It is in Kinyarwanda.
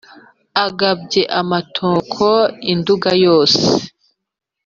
Agabye amatoko i Nduga yose